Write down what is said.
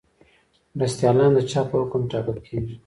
مرستیالان د چا په حکم ټاکل کیږي؟